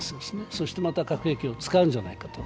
そしてまた核兵器を使うんじゃないかと。